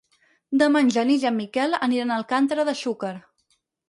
Demà en Genís i en Miquel aniran a Alcàntera de Xúquer.